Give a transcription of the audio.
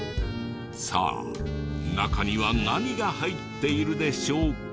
さあ中には何が入っているでしょうか？